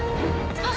あっ。